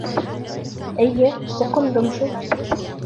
Эйе, соҡондом шул.